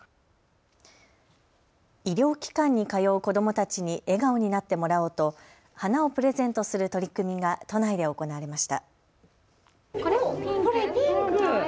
医療機関に通う子どもたちに笑顔になってもらおうと花をプレゼントする取り組みが都内で行われました。